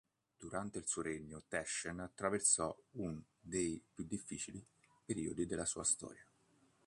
Durante il suo regno Teschen attraversò un dei più difficili periodi della sua storia.